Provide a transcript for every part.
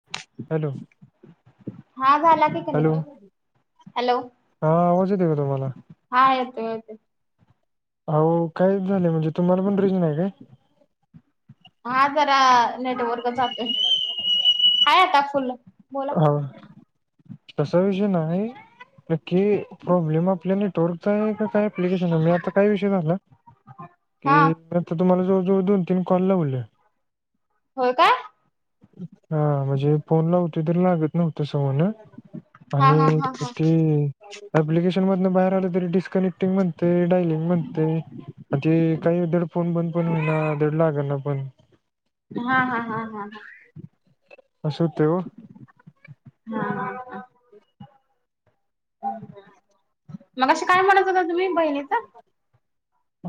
[unintelligible] Hello? हां, झाला की हॅलो कनेक्ट, हॅलो? हा आवाज येते का तुम्हाला हां येतो, येतोय. हाओ काय झाले, म्हणजे तुम्हाला पण रेंज नही काय? हां, जरा नेटवर्क जातोय, आहे आता फुल बोला हो, तसा विषय नाही. नक्की प्रॉब्लेम, आपल्या नेटवर्कचा य का, काय एप्लिकेशनचा? मी आता काय विषय झाला. के हा मी आता तुम्हाला, जवळ-जवळ, दोन-तीन कॉलला बोलले. होय का? हां, म्हणजे फोन लावतो, तर लागत नव्हत, समोर न. हा हा आणि हा हा ते अँपलिकेशन मधन बाहेर आलं, तरी डिस्कनेक्टिंग म्हणतय, डायलिंग म्हणतय. म ते काही धड, फोन बंद पण होईना, धड लागना पण. हा हा हा हा, हा. असं होतंय ओ हा. मघाशी काय म्हणत होत्या, तुम्ही बहिणीचं?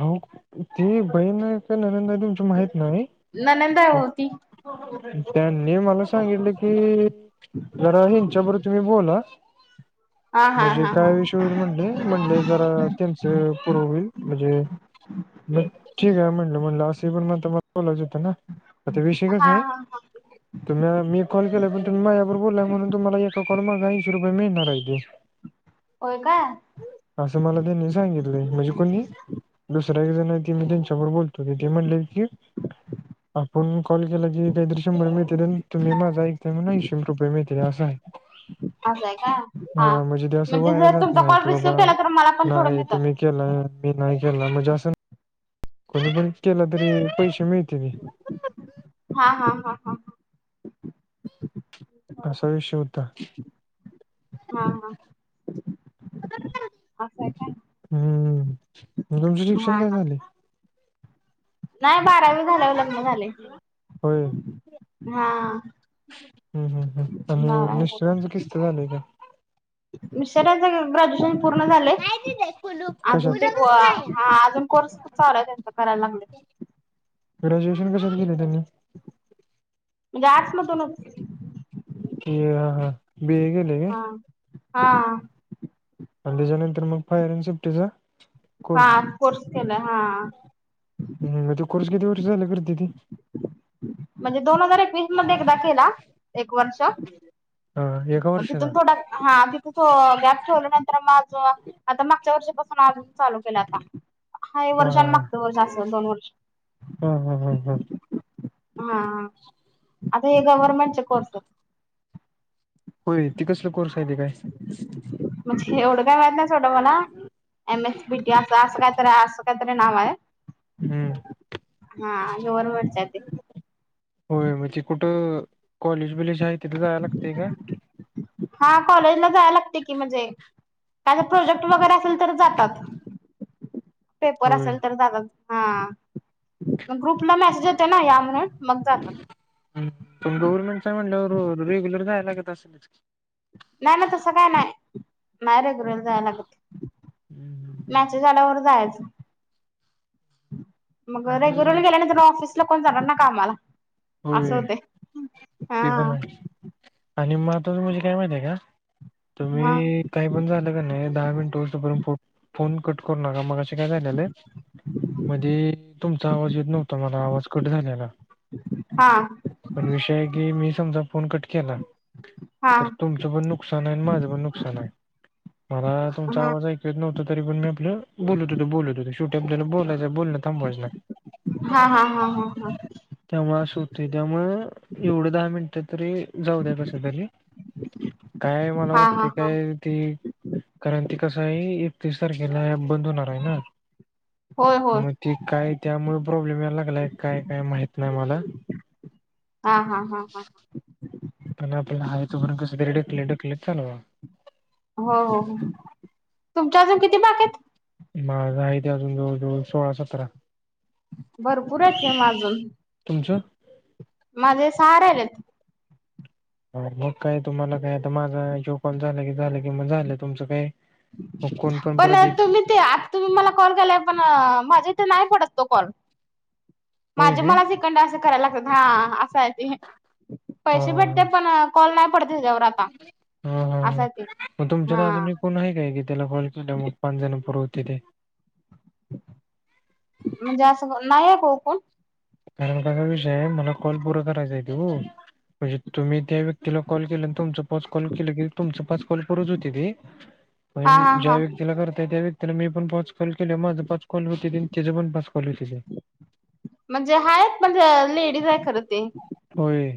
हो. ती बहीण आहे का, ननद ये तुमची? माहित नाही. ननंद आहे ओ ती त्यांनी मला सांगितलं की जरा ह्यांच्याबरोबर तुम्ही बोला हा हा म्हणजे हा हा काय विषय होईल म्हणले, म्हणले जरा त्यांच पूर होईल म्हणजे मग ठीक आहे म्हटलं म्हटलं असे पण म्हणता आ मला बोलायचं होतं ना आता विषय हा हा कसाय. हा [inaudible] तुम्हांला मी कॉल केलाय पण तुम्ही माझ्या बरोबर बोललाय म्हून तुम्हाला एका कॉल मागा ऐंशी रुपये मिळणार आहे ते. [inaudible] होय का. असं मला त्यांनी सांगितलंय म्हणजे कोणी, दुसऱ्या एक जण ते मी त्यांच्यावर बोलतो ते म्हणले की [inaudible] आपण कॉल की काय तरी शंभर मिळतील, आन तुम्ही माझा ऐकताय म्हणून ऐंशी रुपये मिळतील असं हाय. [inaudible] असं आहे काय हा म्हणजे ते अस वाया जर जात तुमचा नाहीत कॉल की रिसिव्ह बाबा केला तर मला पण थोडं नाय मिळतात तुम्ही केला मी नाही केला म्हणजे असं कोणी पण केलं तरी पैशे मिळतील. हा हा हा हा. [inaudible] असा विषय होता. हा हा असंय. हम्म तुमचे हा शिक्षण काय झाले? नाय बारावी झाल्यावर लग्न झालय. होय हम्म हा हम्म हम्म आणि बारावी झाल्यावर मिस्टरांच कि त झालय काय? मिस्टरांच ग्रॅज्युएशन पूर्ण झालय. अजून ते को अ कशात हा अजून कोर्स चालूय त्यांचा करायला लागल. ग्रॅज्युएशन कशात केलय त्यांनी? म्हणजे आर्ट्स मधूनच हे हा बी ए केलं हा हा. आन त्याच्या नंतर मग फायरन शिपटीचा हा कोर्स केलाय हा. हम्म मग तो कोर्स किती वर्ष झालं करते ती? म्हणजे दोन हजार एकवीस मध्ये एकदा केला एक वर्ष. हा एका वर्षात अजून थोडा हा तिथ तो गॅप ठेवल्या नंतर माझ आता मागच्या वर्षापासून आजच चालू केलं आता, हा वर्ष मागचं वर्ष अस दोन वर्ष. हा हा हा हा. हा हा आता हे गव्हर्नमेंट चे कोर्स होय ते कसला कोर्स आहे ते काय? म्हणजे एवढं काय माहित नाय सोडा मला एम एस बी टी असं असं काय तरी असं कायतरी नाव हाय. हम्म हा गव्हर्नमेंटच हाय ते. होय मग तेे कुठं, कॉलेज बीलेज हाय तिथे जायला लागतेय का? हा कॉलेजला जाया लागतय की म्हणजे काय तर प्रोजेक्ट वगैरे असेल तर जातात, पेपर होय असेल तर जातात. हा ग्रुपला मेसेज येतोय ना या म्हणून मग जाता. पण गव्हर्नमेंटच आहे म्हटल्यावर रेग्युलर जायला लागत असेल. नाही मग तसं काय नाही [unintelligible] फिरायला जायला लागत मेसेज आल्यावर जायच. मग आणि रेगुलर गेल्यानंतरन ऑफिसला कोण जाणार ना कामला! असं होय होतय ते पण हां. आहे आणि महत्त्वाचं म्हणजे काय माहिती आहे का हा तुम्ही काही पण झालं का नाही दहा मिनिटं होऊसतोपर्यंत फोन फोन कट करू नका. मगाशी काय झालेलं मधी तुमचा आवाज येत नव्हता मला, आवाज कट झालेला. हां. पण विषय हा आहे की मी समजा फोन कट केला हा हा तर तुमचं पण नुकसान आहे आणि माझं पण नुकसान आहे. मला तुमचा हा आवाज ऐ कु येत नव्हत तरी पण मी आपलं बोलत होतो बोलत होतो, शेवटी आपल्याला बोलायचं आहे, बोलण थांबवायच नाही. हां हां हां हां हां. त्यामुळे असं होतय त्यामुळे एवढं दहा मिनिटं तरी जाऊ द्या कस तरी, काय मला हा हा वाटतंय हा काय ते कारण ते कसं आहे एकतीस तारखेला बंद होणार आहे ना. होय होय मग ते काय त्यामुळे प्रॉब्लेम यायला लागलाय काय! काय माहित नाही मला. हां हां हां हां. पण आपला आहे तोवर कसतरी ढकलत ढकलत चालवा. हो हो हो तुमचे अजून किती बाकी आहेत? माझा आहेती अजून जवळ जवळ सोळा सतरा. भरपूर आहेत की मग अजून. तुमचं? माझे सहा राहीलेत. मग काय तुम्हाला काय आता माझा ह्यो कॉल झालं की झालं कि मग झालं तुमच काय मग कोण पण परत एक तुम्ही ते आता तुम्ही मला कॉल केलाय पण माझ्या इथे नाही पडत तो कॉल. होय माझे काय मलाच इकंडन असं करायला लागतात हां अ काय ते हा पैसे हा भेटतंय पण कॉल नाही पडत याच्यावर आता हां हां हां असं आहे ते. मग तुमच्यात हा अजून कोण आहे काय की त्याला कॉल केल्यावर मग पाच जण पुर होतंय तेे? म्हणजे असं नाही आहेत ओ कोण. कारण कसा विषय आहे मला कॉल पुरा करायचा आहेती ओ म्हणजे तुम्ही त्या व्यक्तीला कॉल केलं आणि तुमचं पाच कॉल केलं की तुमचं पाच कॉल पुरच होतेती. [inaudible] हा पण हा ज्या हा. व्यक्तीला करताय त्या व्यक्तीला मी पण पाच कॉल केल्यावर माझं पाच कॉल होतेती आणि त्याचं पण पाच कॉल होतेती. म्हणजे आहेत पण लेडीज आहे खरं ते. होय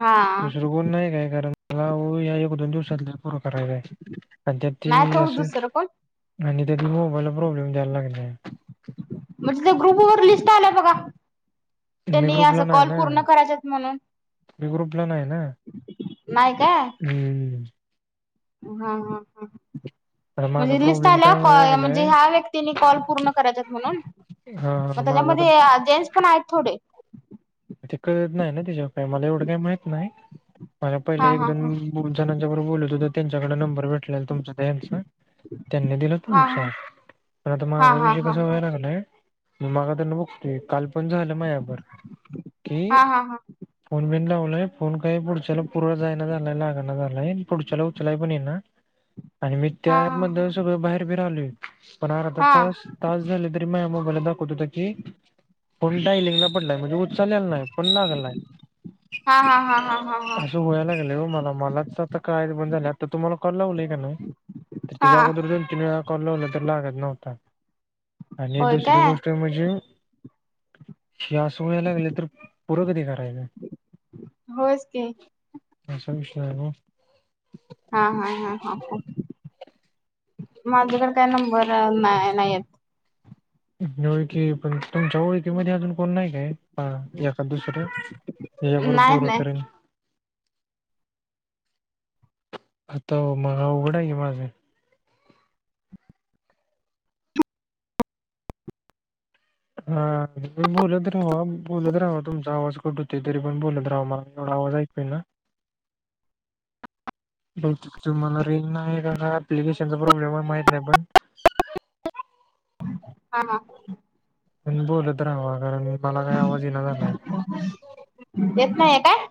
हा दुसरं कोण नाही काय कारण मला ओ या एक दोन दिवसात लई पुर करायच आहे. आणि त्या नाही ते तो दुसरं कोण. असं आणि त्यात मोबाईलला प्रॉब्लेम द्यायला लागले. म्हणजे त्या ग्रुप वर लिस्ट आल्या बघा मी त्यांनी अस ग्रुपला नाही कॉल ना पूर्ण करायचे आहेत म्हणून मी ग्रुपला नाही ना. नाही काय? हम्म. हां हां हां. तर माझा म्हणजे लिस्ट प्रॉब्लेम आल्या काय क व्हायला म्हणजे लागलाय ह्या व्यक्तीनी कॉल पूर्ण करायच्या आहेत म्हणून हा मग माझा आता त्यांच्यामध्ये जेंट्स पण आहेत थोडे. ते कळत नाही ना तेच्यावं काय मला एवढं काही माहीत नाही. मला हा पहिले एक हा दोन जणांच्या बरोबर बोलत होतो त्यांच्याकडे नंबर भेटले तुमचा यांचा त्यांनी दिलं त हा नुसार पण आता हा माझा हा विषय हा कसा व्हायायला लागलाय. म मगादर्न बघतोय काल पण झालं माझ्याभर कि हा हा हा हा फोन बीन लावलोय फोन काय पुढच्याला पूर जायना झालाय लागना झालाय. पुढच्याला उचलाय पण येई ना आणि मी हा त्या अँप मधन सगळं बाहेर बि राहिलोय. पण हा अर्धा हा तास तास झाले तरी माया् मोबाईला दाखवत होत की, पण टायलिंगला पडला म्हणजे. उचलेल नाही पण लागला हाय. हा हा हा हा. हा हा असं व्हायला लागलयं हो मला मलाच आता कळायचं पण झालं आता तुम्हाला कॉल लावलाय का नाही. तर तेच्या हा आगोदर दोन तीन वेळा कॉल लावला तर लागत नव्हता आणि होय दुसरी काय गोष्ट म्हणजे हे असं होयला लागलं तर पुर कधी करायचं. होयच की असा विषय हो हा हा हा हा माझ्याकडे काय नंबर नाही नाही येत होय की पण तुमच्या ओळखीमध्ये अजून कोण नाय काय? हा एकाद दुसरं यांच्याबरोबर नाही पुर नाही करेन. आता मग आवघड हाय की माझं हा बोलत राहावा बोलत राहावा तुमचा आवाज कट होतोय तरी पण बोलत राहावा मला एवढा आवाज ऐक पन तुम्हाला रेंज नाही आहे का, काय अप्लिलिकेशनचा प्रॉब्लेम आहे माहित नाही पण हा हा हा. म्ह बोलत राहावा कारण मला काय आवाज येईना झालाय. येत नाहीये काय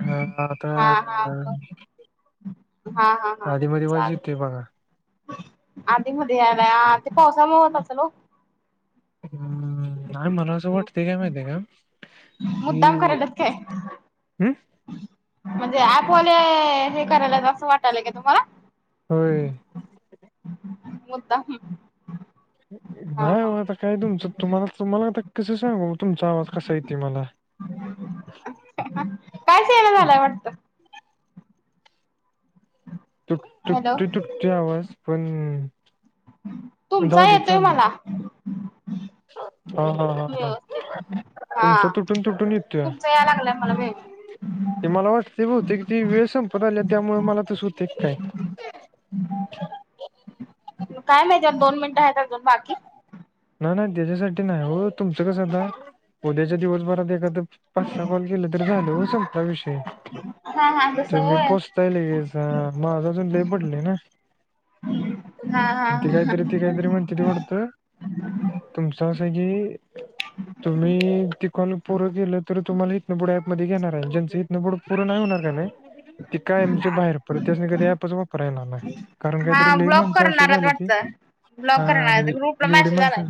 हा आता हा हा [inaudible] हा हा हा आधी मधी वाज येतोय बघा. चालेल. आधी मध्ये यालाय आधी पावसामुळं होत असल ओ. हम्म नाही म्हणावसं वाटतयं काय माहितीय का. मुद्दाम की कराल्यात काय. हम्म म्हणजे आपण हे कराल्यात असं वाटालयं का तुम्हाला. होयं. मुद्दाम. हा नाही हो हा आता काय तुमचं तुम्हाला त मला आ कसं सांगू तुमचा आवाज कसा येतोय मला. कायच येईना झालंय वाट तु हॅलो तुकट तुकट आवाज पण जाऊ तुमचा दे येतोय चालेल. मला. हा हा हा. व्यवस्थित. हा तुमचं तुटून तुटून येतोया तुमचा याय लागलाय मला व्यवस्थित. ते मला वाट ती बहुतेक ती वेळ संपत आल्या त्यामुळे मला तसं होतयं की काय [unintelligible] काय माहिती दोन मिनटं आहेत अजून बाकी. नाही नाही त्याच्यासाठी नाही हो तुमचं कसं आता उद्याच्या दिवसभरात एखादं. पाच सहा कॉल केलं तर झालं संपला विषय, हा हा तसं तुम्ही होय. पोच [unintelligible] माझ अजून पडली हा हा ती कायतरी ती कायतरी म्हणतीत वाटतं तुमचंं असं की तुम्ही ते कॉल पुरं केलं तर तुम्हाला हितनबुड ऍप मध्ये घेणार आहे जच इितनबुड पुर नाही होणार का नाही? ते कायमचे बाहेर पडतील अन् त्या कधी ॲपच वापरा येणार नाही. कारण हा काहीतरी लई ब्लॉक माणसं अशी करणार झाली ती वाटत, हा, ब्लॉक करणार आणि ग्रुपला एवढी मेसेज आलाय. माणसं,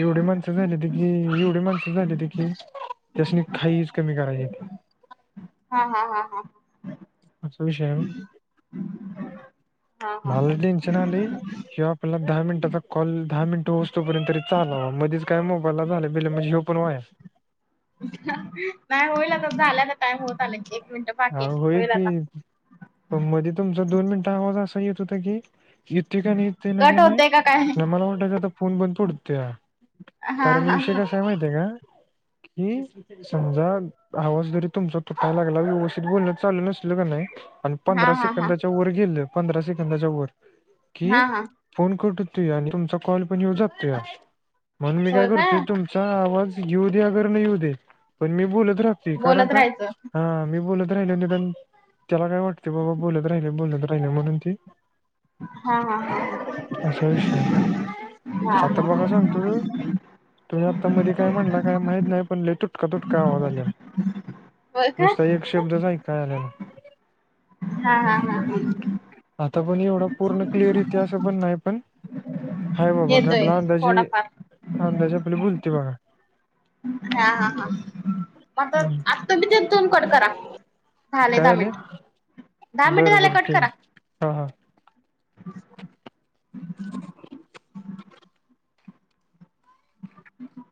एवढी माणसं झाली देखी एवढी माणसं झाली देखी. त्यासने खाईच कमी करायची. हा हा हा हा असा विषय आहे ह. हा हा मला हा. टेन्शन आलंय ह्यो आपला दहा मिनिटाचा कॉल दहा मिनट होअसतोपर्यंत तरी चालावा मध्येच काय मोबाईलला झाले बेले म्हणजे हे पण वाया नाही होईल आता झालं तर टाईम होत आला की. हा होय की, पण मध्ये तुमचा दोन मिनिटं आवाज असा येत होता की येते का नाही येते ना काही कट नाही होतय का काय? ना मला वाटयच आता फोन बंद पडतोया. हा हा कारण या विषय हा कसा आहे माहिती आहे का, की समजा आवाज जरी तुमचा तुटायला लागेला व्यवस्थित बोलण चाललं नसल का नाही. आणि हा पंधरा हा हा सेकंदाच्या वर गेले पंधरा सेकंदाच्या वर कि हा हा फोन कटतुया अन् तुमचा कॉल पण येऊ जातूया म्हणून मी काय करतोय तुम चा आवाज येऊ दे्या अगर नाही येऊ दे पण मी बोलत राहतोय कारण बोलत का राहायचं. हा मी बोलत राहिलो निदान त्याला काय वाटतं बाबा बोलत राहिल बोलत राहिल म्हणून ते हा हा, असा ह विषय आहे हा. आता बघा सांगतो तो तुम्ही आता मध्ये काय म्हणला काय माहित नाही पण लई तुटका तुटका आवाज आलाय. होय काय नुसता एक शब्दच आयकाय आल्याला. हा हा हा. आता पण एवढा पूर्ण क्लिअर एताय अस पण नाही पण हाय बाबा मी येतोय आपला अंदाजे, थोडाफार अंदाजे आपली बोलते बघा. हा हा हा म. हम्म. [unintelligible] तुम्ही तिथून कट करा, झाले काय दहा आले मिनिट दहा मिनिट बरं झाले बरं कट ठीक करा आहे, हा हा. [inaudible] हम्.